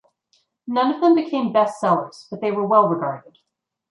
None of them became best sellers but they were well regarded.